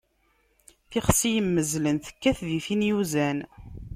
Tixsi immezlen, tekkat di tin uzan.